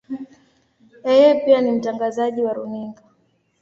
Yeye pia ni mtangazaji wa runinga.